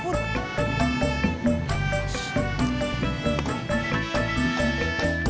baar than staying home sajalah